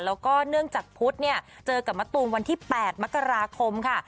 แล้วก็เนื่องจากพุทธเนี่ยเจอกับมะตูมวันที่๘มกราคมค่ะ